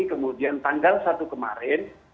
kemudian tanggal satu kemarin